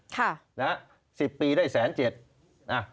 ค่ะนะฮะ๑๐ปีได้๑๐๗๐๐บาท